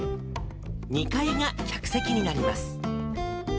２階が客席になります。